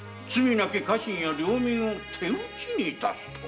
なき家臣や領民を手討ちに致すとか。